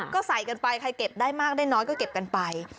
ก็ใส่กันไปใครเก็บได้มากได้น้อยก็เก็บกันไป